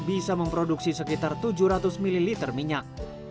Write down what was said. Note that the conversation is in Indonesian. bisa memproduksi sekitar tujuh ratus ml minyak